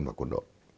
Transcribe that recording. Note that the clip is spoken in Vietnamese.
và quân đội